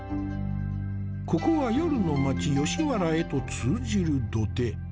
ここは夜の町吉原へと通じる土手。